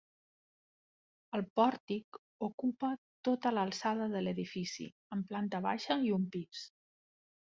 El pòrtic ocupa tota l'alçada de l'edifici, amb planta baixa i un pis.